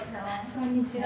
こんにちは。